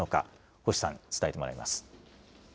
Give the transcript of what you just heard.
星さんに伝えてもらいます。